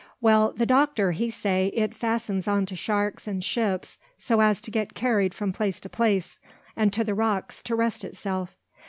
Well, the doctor, he say, it fastens on to the sharks and ships so as to get carried from place to place, and to the rocks to rest itself.